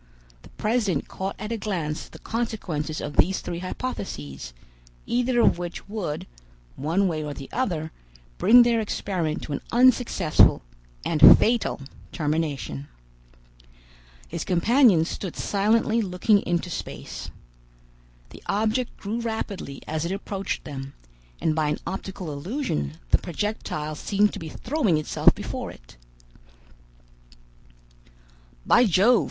The president caught at a glance the consequences of these three hypotheses, either of which would, one way or the other, bring their experiment to an unsuccessful and fatal termination. His companions stood silently looking into space. The object grew rapidly as it approached them, and by an optical illusion the projectile seemed to be throwing itself before it. "By Jove!"